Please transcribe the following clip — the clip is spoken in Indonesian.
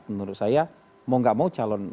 menurut saya mau gak mau calon